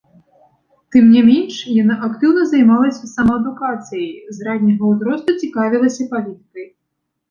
Тым не менш, яна актыўна займалася самаадукацыяй, з ранняга ўзросту цікавілася палітыкай.